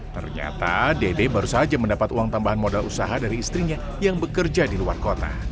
ternyata dede baru saja mendapat uang tambahan modal usaha dari istrinya yang bekerja di luar kota